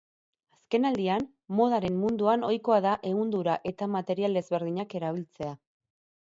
Azkenaldian modaren munduan ohikoa da ehundura eta material ezberdinak erabiltzea.